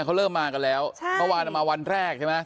เขาเริ่มมากันแล้วใช่เมื่อวานเอามาวันแรกใช่ไหม